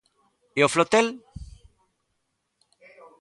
E o flotel?